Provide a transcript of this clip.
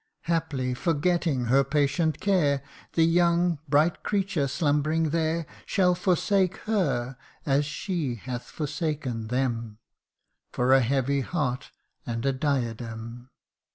Haply, forgetting her patient care, The young, bright creature slumbering there, Shall forsake her as she hath forsaken them For a heavy heart and a diadem